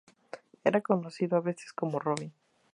Era conocido a veces como Robin.